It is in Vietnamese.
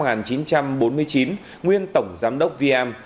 nguyên tổng giám đốc vm